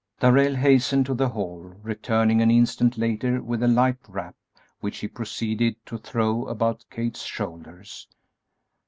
Darrell hastened to the hall, returning an instant later with a light wrap which he proceeded to throw about Kate's shoulders.